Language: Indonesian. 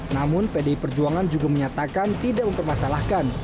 namun pdi perjuangan juga menyatakan tidak mempermasalahkan